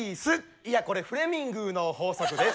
いやこれフレミングの法則です」